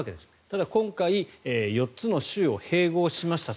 ただ、今回４つの州を併合しました